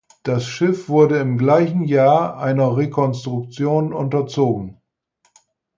Das Schiff wurde im gleichen Jahr einer Rekonstruktion unterzogen.